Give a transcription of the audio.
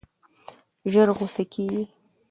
ژر غوسه کېږي.